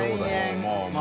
もう。